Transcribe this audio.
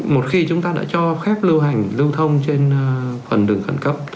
một khi chúng ta đã cho phép lưu hành lưu thông trên phần đường khẩn cấp